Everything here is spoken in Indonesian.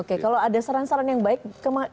oke kalau ada saran saran yang baik